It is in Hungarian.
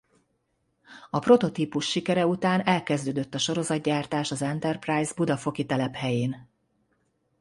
A prototípus sikere után elkezdődött a sorozatgyártás az Enterprise budafoki telephelyén.